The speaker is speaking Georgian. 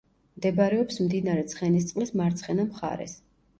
მდებარეობს მდინარე ცხენისწყლის მარცხენა მხარეს.